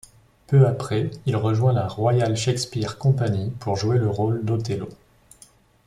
Peu après, il rejoint la Royal Shakespeare Company pour jouer le rôle d'Othello.